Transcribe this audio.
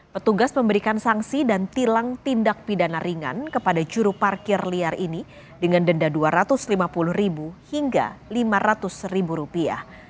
petugas memberikan sanksi dan tilang tindak pidana ringan kepada juru parkir liar ini dengan denda dua ratus lima puluh hingga lima ratus rupiah